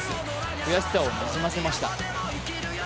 悔しさをにじませました。